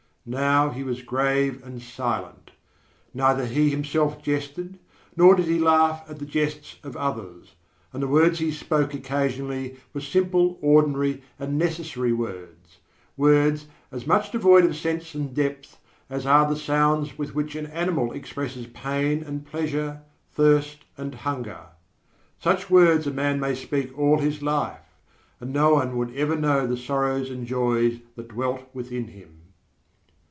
Now he was grave and silent; neither he himself jested nor did he laugh at the jests of others; and the words he spoke occasionally were simple, ordinary and necessary words words as much devoid of sense and depth as are the sounds with which an animal expresses pain and pleasure, thirst and hunger. Such words a man may speak all his life and no one would ever know the sorrows and joys that dwelt within him.